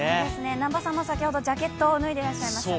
南波さんも先ほどジャケットを脱いでいらっしゃいましたね。